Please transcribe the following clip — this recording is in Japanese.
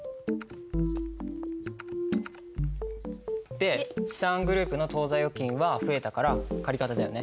で資産グループの当座預金は増えたから借方だよね。